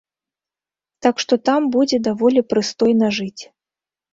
Так што там будзе даволі прыстойна жыць.